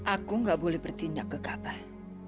aku tidak boleh bertindak kegabah